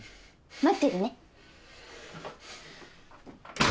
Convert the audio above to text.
待ってるね。